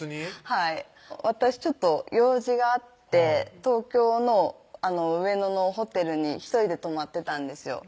はい私ちょっと用事があって東京の上野のホテルに１人で泊まってたんですよ